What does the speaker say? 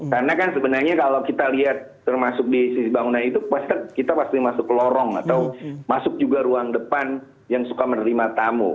karena kan sebenarnya kalau kita lihat termasuk di sisi bangunan itu kita pasti masuk ke lorong atau masuk juga ruang depan yang suka menerima tamu